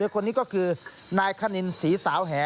คนนี้ก็คือนายคณินศรีสาวแห